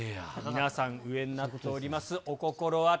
皆さん、上になっております。